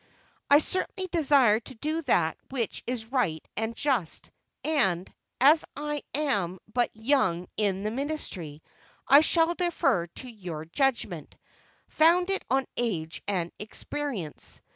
"I certainly desire to do that which is right and just; and, as I am but young in the ministry, I shall defer to your judgment, founded on age and experience.